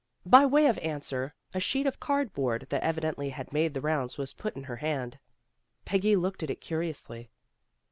By way of answer, a sheet of card board that evidently had made the rounds was put in her hand. Peggy looked at it curiously.